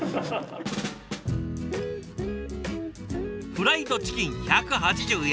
フライドチキン１８０円。